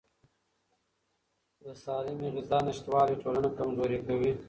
د سالمې غذا نشتوالی ټولنه کمزوري کوي.